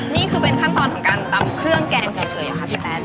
นี่คือเป็นขั้นตอนของการตำเครื่องแกงเฉยเหรอคะพี่แป๊ก